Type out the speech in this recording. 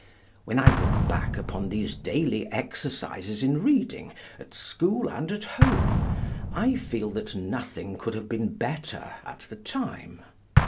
When I look back upon these daily exercises in reading, at school and at home, I feel that nothing could have been better at the time.